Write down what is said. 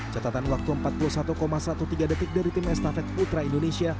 catatan waktu empat puluh satu tiga belas detik dari tim estafet putra indonesia